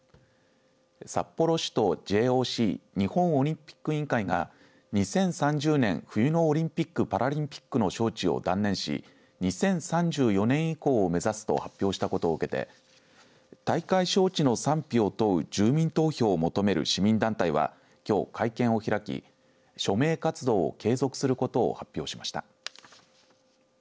札幌市とＪＯＣ＝日本オリンピック委員会が２０３０年冬のオリンピックパラリンピックの招致を断念し２０３４年以降を目指すと発表したことを受けて大会招致の賛否を問う住民投票を求める市民団体はきょう会見を開き署名活動を継続することを発表しました。